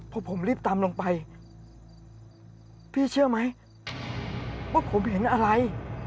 พอผมรีบตามลงไปพี่เชื่อไหมว่าผมเห็นอะไร